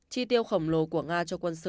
chi tiêu khổng lồ của nga cho quân sự